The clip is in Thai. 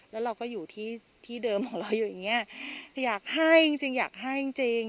แล้วเราก็อยู่ที่ที่เดิมของเราอยู่อย่างเงี้ยอยากให้จริงจริงอยากให้จริงจริง